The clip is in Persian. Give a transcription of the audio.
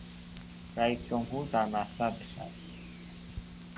رییس جمهور بر مسند نشست.